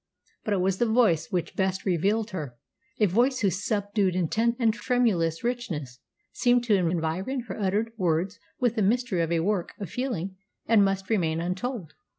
But it was the voice which best revealed her, a voice whose subdued intensity and tremulous richness seemed to environ her uttered words with the mystery of a work of feeling that must remain untold....